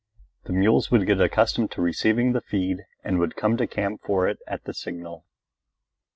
The mules would get accustomed to receiving the feed and would come to camp for it at the signal.